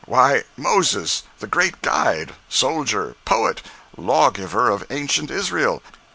Why, Moses, the great guide, soldier, poet, lawgiver of ancient Israel!